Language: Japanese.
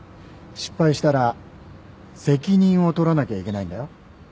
失敗したら責任を取らなきゃいけないんだよ。